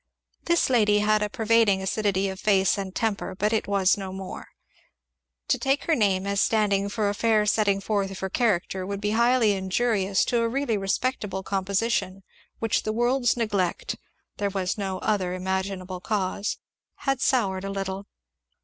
This lady had a pervading acidity of face and temper, but it was no more. To take her name as standing for a fair setting forth of her character would be highly injurious to a really respectable composition, which the world's neglect (there was no other imaginable cause) had soured a little.